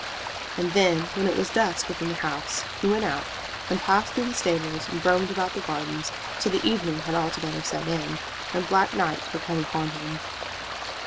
And then, when it was dusk within the house, he went out, and passed through the stables and roamed about the gardens till the evening had altogether set in, and black night had come upon him.